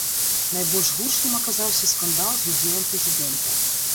Найбольш гучным аказаўся скандал з удзелам прэзідэнта.